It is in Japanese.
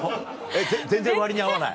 全然割に合わない？